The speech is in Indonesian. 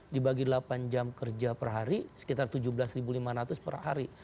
dibagi delapan jam kerja per hari sekitar tujuh belas lima ratus per hari